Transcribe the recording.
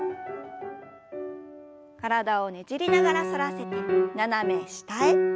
体をねじりながら反らせて斜め下へ。